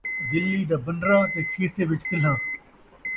دِلی دا بنرا تے کھیسے وِچ سلھاں